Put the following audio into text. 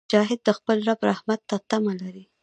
مجاهد د خپل رب رحمت ته تمه لري.